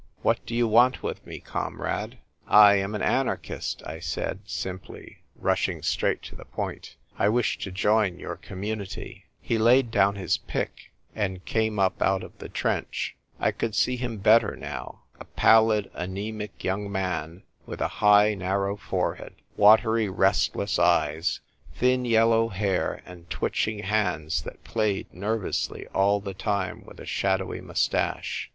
" What do you want with me, com rade?" " I am an anarchist," I said, simply, rush ing straight to the point. " I wish to join your community." He laid down his pick, and came up out of ' VIVE l'anarchie !' 57 the trench. I could see him better now — a pallid, anaemic young man, with a high narrow forehead, watery restless eyes, thin yellow hair, and twitching hands that played nervously all the time with a shadowy mous tache.